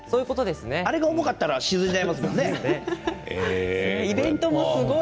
あれが重かったら沈んじゃいますもんね。